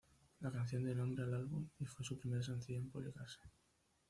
La canción dio nombre al álbum y fue su primer sencillo en publicarse.